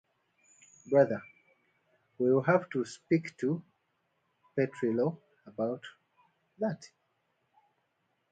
Brother, we'll have to speak to Petrillo about that!